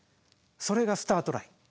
それがスタートライン。